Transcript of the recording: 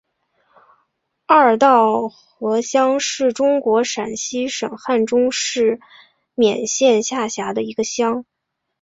二道河乡是中国陕西省汉中市勉县下辖的一个乡。